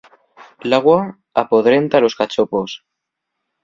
L'agua apodrenta los cachopos.